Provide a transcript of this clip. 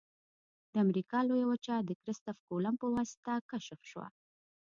د امریکا لویه وچه د کرستف کولمب په واسطه کشف شوه.